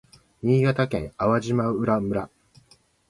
新潟県粟島浦村